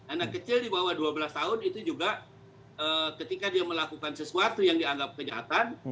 anak kecil di bawah dua belas tahun itu juga ketika dia melakukan sesuatu yang dianggap kejahatan